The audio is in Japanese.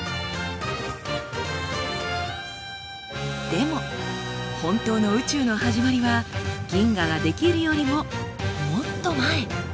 でも本当の宇宙の始まりは銀河が出来るよりももっと前。